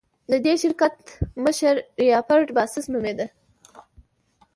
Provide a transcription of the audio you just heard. د دې شرکت مشر ریچارډ باسس نومېده.